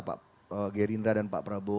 pak gerindra dan pak prabowo